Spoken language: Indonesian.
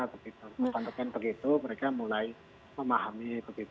begitu mereka mulai memahami